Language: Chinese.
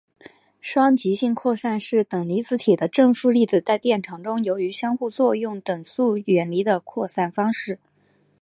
双极性扩散是等离子体的正负粒子在电场中由于相互作用等速远离的扩散方式。